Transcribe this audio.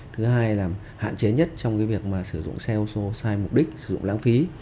thứ hai là hạn chế nhất trong cái việc mà sử dụng xe ô tô sai mục đích sử dụng lãng phí